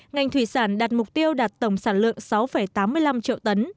ngành thủy sản đạt mục tiêu đạt tổng sản lượng sáu tám mươi năm triệu tấn